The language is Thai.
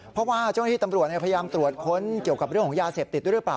เพราะว่าเจ้าหน้าที่ตำรวจพยายามตรวจค้นเกี่ยวกับเรื่องของยาเสพติดด้วยหรือเปล่า